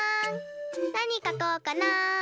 なにかこうかな？